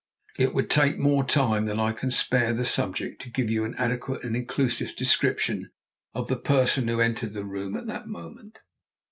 It would take more time than I can spare the subject to give you an adequate and inclusive description of the person who entered the room at that moment.